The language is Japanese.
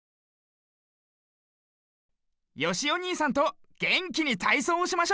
よしおにいさんとげんきにたいそうをしましょう！